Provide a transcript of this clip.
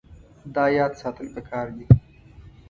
دا یاد ساتل پکار دي.